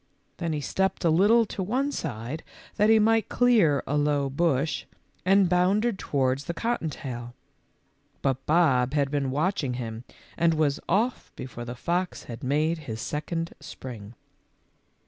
Then he stepped a little to one side that he might clear a low bush, and bounded towards the cotton tail ; but Bob had been watching him and was off before the fox had made his second spring.